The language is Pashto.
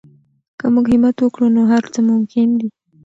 که موږ همت وکړو نو هر څه ممکن دي.